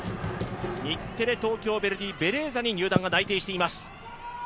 日テレ・ヴェルデイベレーザに入団が決定しています。